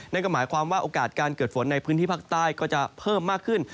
นั่นก็หมายความว่าโอกาสการเกิดฝนในพื้นที่ภาคใต้ก็จะเพิ่มมากขึ้น